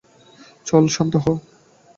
চল, শান্ত হ!